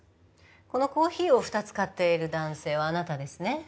このコーヒーを２つ買っている男性はあなたですね？